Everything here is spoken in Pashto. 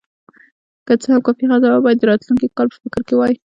که څه هم کافي غذا وه، باید د راتلونکي کال په فکر کې وای.